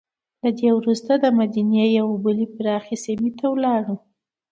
له دې وروسته دمدینې یوې بلې پراخې سیمې ته لاړو.